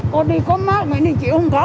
cô đi có má mấy đứa chị không có